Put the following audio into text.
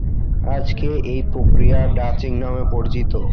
আজকে এই প্রক্রিয়া ডাচিং নামে পরিচিত।